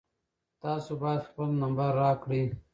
تاسو باید خپل نمبر راکړئ.